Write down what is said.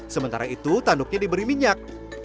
sementara itu tanduknya diberi minyak